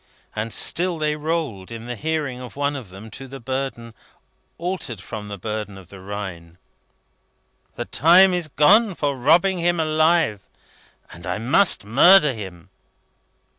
And still they rolled, in the hearing of one of them, to the burden, altered from the burden of the Rhine: "The time is gone for robbing him alive, and I must murder him."